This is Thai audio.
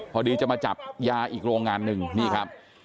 พอดีจะมาจับยาอีกโรงงานหนึ่งนี่ครับ